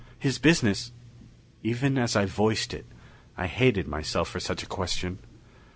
His business " Even as I voiced it, I hated myself for such a question.